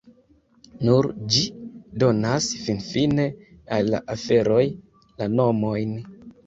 Nur ĝi donas finfine al la aferoj la nomojn.